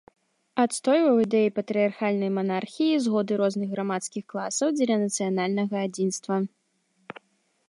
Адстойваў ідэі патрыярхальнай манархіі і згоды розных грамадскіх класаў дзеля нацыянальнага адзінства.